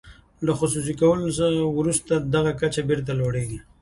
له خصوصي کولو وروسته دغه کچه بیرته لوړیږي.